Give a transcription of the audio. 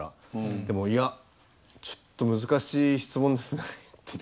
でも「いやちょっと難しい質問ですね」って言って。